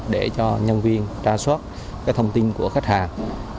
để cho nhân viên tra soát thông tin của khách hàng